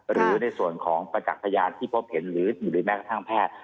หรือในส่วนของประจักษ์พยานที่พบเห็นหรือแม้กระทั่งแพทย์